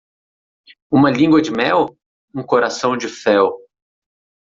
Uma língua de mel? um coração de fel